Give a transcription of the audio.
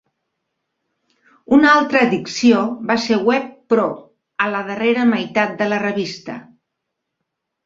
Una altra addició va ser "Web Pro" a la darrera meitat de la revista.